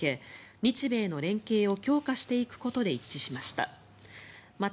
日米の連携を強化していくことで一致しました。